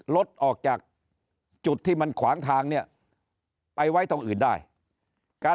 รถออกจากจุดที่มันขวางทางเนี่ยไปไว้ตรงอื่นได้การ